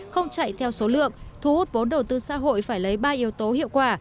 không chạy theo số lượng thu hút vốn đầu tư xã hội phải lấy ba yếu tố hiệu quả